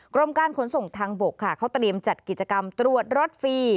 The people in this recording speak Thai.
กรมการขนส่งทางบกค่ะเขาเตรียมจัดกิจกรรมตรวจรถฟรี